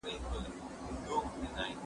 ته ولي موسيقي اورې